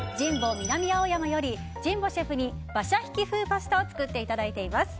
南青山より神保シェフに馬車引き風パスタを作っていただいています。